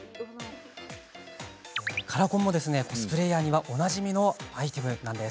カラコンもコスプレイヤーにはおなじみのアイテムです。